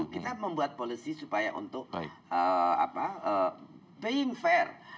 kita membuat polisi supaya untuk paying fair